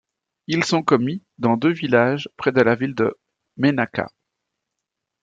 Ils sont commis dans deux villages près de la ville de Ménaka.